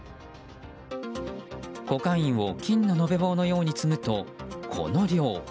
コカインを金の延べ棒のように積むと、この量。